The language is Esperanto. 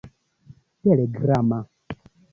telegrama